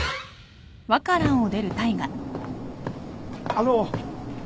あの